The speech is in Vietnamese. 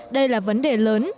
đây là vấn đề lớn